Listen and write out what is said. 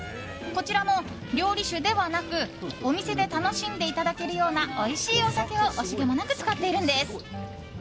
こちらも料理酒ではなくお店で楽しんでいただけるようなおいしいお酒を惜しげもなく使っているんです。